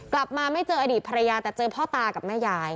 กลับมาไม่เจออดีตภรรยาแต่เจอพ่อตากับแม่ยาย